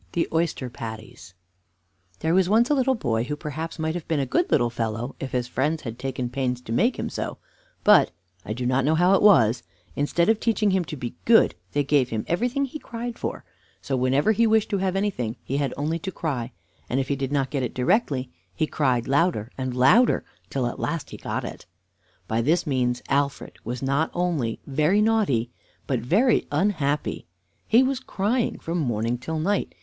THE OYSTER PATTIES There was once a little boy who perhaps might have been a good little fellow if his friends had taken pains to make him so; but I do not know how it was instead of teaching him to be good, they gave him everything he cried for; so, whenever he wished to have anything, he had only to cry, and if he did not get it directly, he cried louder and louder till at last he got it. By this means Alfred was not only very naughty, but very unhappy. He was crying from morning till night.